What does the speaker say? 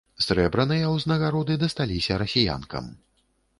Срэбраныя ўзнагароды дасталіся расіянкам.